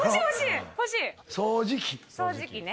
掃除機ね。